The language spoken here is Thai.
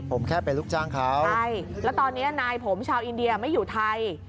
ผมแค่เป็นลูกจ้างเขาใช่แล้วตอนนี้นายผมชาวอินเดียไม่อยู่ไทย